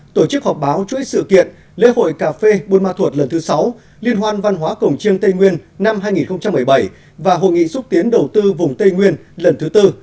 tổ chức họp báo chuỗi sự kiện lễ hội cà phê buôn ma thuột lần thứ sáu liên hoan văn hóa cổng chiêng tây nguyên năm hai nghìn một mươi bảy và hội nghị xúc tiến đầu tư vùng tây nguyên lần thứ tư